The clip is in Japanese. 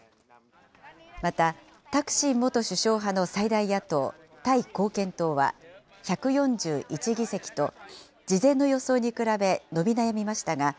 また、タクシン元首相派の最大野党・タイ貢献党は、１４１議席と、事前の予想に比べ伸び悩みましたが、